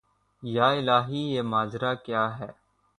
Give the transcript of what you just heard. یا الٰہی یہ ماجرا کیا ہے